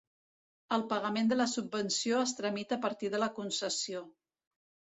El pagament de la subvenció es tramita a partir de la concessió.